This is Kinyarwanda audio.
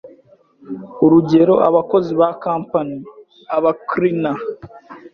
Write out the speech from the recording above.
urugero abakozi ba company, aba cleaner,